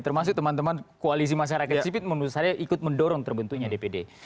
termasuk teman teman koalisi masyarakat yang ikut mendorong terbentuknya dpd